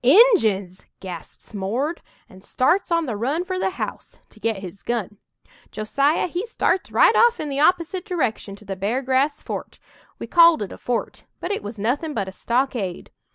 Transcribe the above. "Injuns!" gasps Mord, and starts on the run for the house to get his gun. Josiah, he starts right off in the opposite direction to the Beargrass fort we called it a fort, but it was nothin' but a stockade.